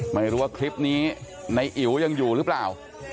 ไม่รู้ว่าคลิปนี้ในอิ๋วยังอยู่หรือเปล่า